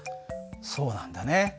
そうなんだね。